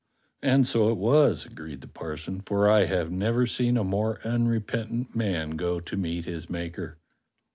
"And so it was," agreed the parson, "for I have never seen a more unrepentant man go to meet his Maker."